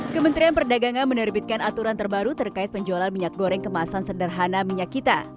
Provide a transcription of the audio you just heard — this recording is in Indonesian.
kementerian perdagangan menerbitkan aturan terbaru terkait penjualan minyak goreng kemasan sederhana minyak kita